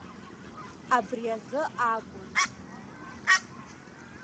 Абри азы акәын.